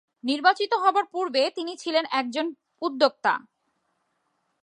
নির্বাচিত হবার পূর্বে পূর্বে তিনি ছিলেন একজন উদ্যোক্তা।